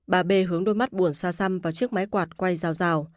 bà b hướng đôi mắt buồn xa xăm vào chiếc máy quạt quay rào rào